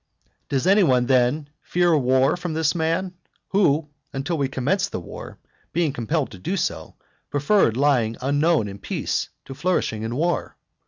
VII. Does any one then fear war from this man, who, until we commenced the war, being compelled to do so, preferred lying unknown in peace to flourishing in war?